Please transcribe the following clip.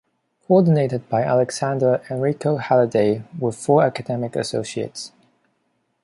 Coordinated by Alexander Enrico Haliday were four Academic Associates.